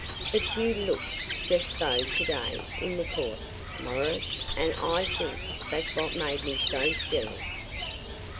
"But you looked just so to day in the Court, Maurice, and I think that's what made me so silly."